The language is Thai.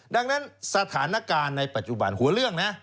ดังนั้นสถานการณ์ในปัจจุบันหัวเรื่องนะ